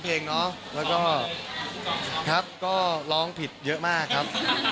เพลงเนาะแล้วก็ครับก็ร้องผิดเยอะมากครับ